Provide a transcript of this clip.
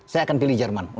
saya akan pilih jerman